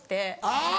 あぁ！